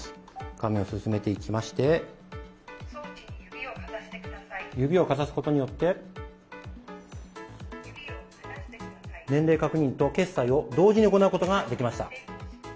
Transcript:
画面を進めていきまして指をかざすことによって年齢確認と決済を同時に行うことができました。